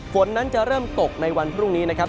ฝนนั้นจะเริ่มตกในวันพรุ่งนี้นะครับ